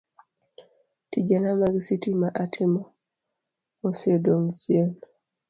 Tijena mag sitima atimo osedong' chien,